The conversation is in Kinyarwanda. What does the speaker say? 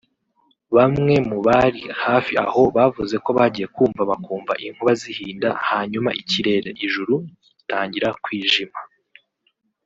Bamwe mu bari hafi aho bavuze ko bagiye kumva bakumwa inkuba zihinda hanyuma ikirere/ijuru gitangira kwijima